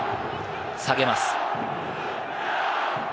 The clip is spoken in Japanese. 下げます。